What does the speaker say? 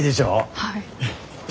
はい。